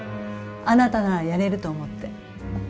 あなたならやれると思って。